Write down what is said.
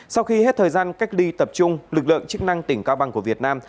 sau khi hết thời gian cách ly tập trung lực lượng chức năng tỉnh cao bằng của việt nam